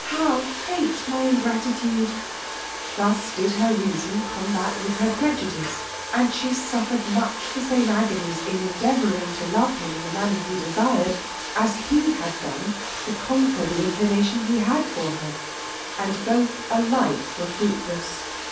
how hate my ingratitude! Thus did her reason combat with her prejudice, and she suffered much the same agonies in endeavouring to love him in the manner he desired, as he had done to conquer the inclination he had for her, and both alike were fruitless.